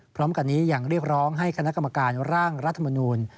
พร้อมกันนี้ยังเรียกร้องให้คณะกรรมการร่างรัฐมนูล